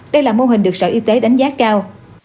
đây là mô hình được sở y tế đánh giá cao